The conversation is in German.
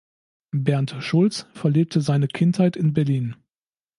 Berndt Schulz verlebte seine Kindheit in Berlin.